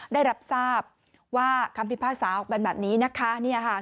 ได้รับทราบว่าคำพิพากษาออกเป็นแบบนี้นะคะ